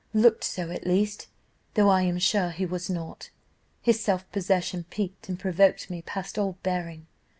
looked so at least, though I am sure he was not. His self possession piqued and provoked me past all bearing.